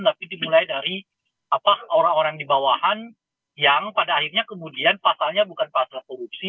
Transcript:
tapi dimulai dari orang orang di bawahan yang pada akhirnya kemudian pasalnya bukan pasal korupsi